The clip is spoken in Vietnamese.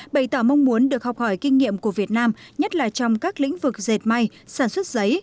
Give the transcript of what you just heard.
bày tỏ mong muốn được học hỏi kinh nghiệm của việt nam nhất là trong các lĩnh vực dệt may sản xuất giấy